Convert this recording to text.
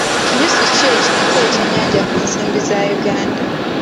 Kinusu ki ekiriko ekyenyanja ku nsimbi za Uganda?